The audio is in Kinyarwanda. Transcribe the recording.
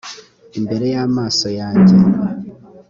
imbere y amaso yanjye j